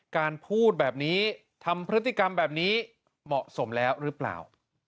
การพูดแบบนี้ทำพฤติกรรมแบบนี้เหมาะสมแล้วหรือเปล่า